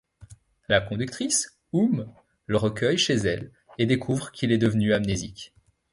La conductrice, Oom le recueille chez elle, et découvre qu'il est devenu amnésique.